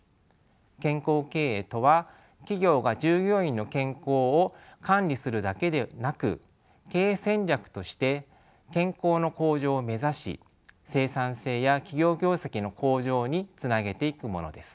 健康経営とは企業が従業員の健康を管理するだけでなく経営戦略として健康の向上を目指し生産性や企業業績の向上につなげていくものです。